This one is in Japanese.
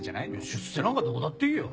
出世なんかどうだっていいよ